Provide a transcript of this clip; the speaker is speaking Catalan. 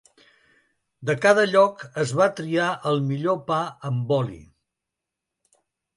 De cada lloc es va triar el millor pa amb oli.